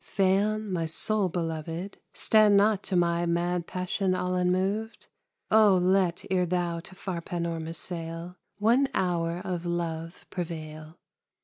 Phaon, my sole beloved, Stand not to my mad passion all unmoved; O let, ere thou to far Panormus sail, One hour of love prevail.